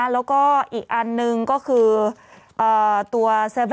แล้วก็อีกอันหนึ่งก็คือตัวเซฟ